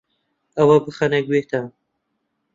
ئەوە بخەنە گوێتان